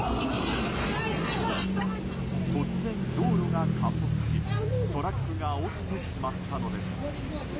突然、道路が陥没しトラックが落ちてしまったのです。